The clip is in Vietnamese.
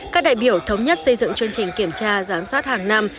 các đại biểu thống nhất xây dựng chương trình kiểm tra giám sát hàng năm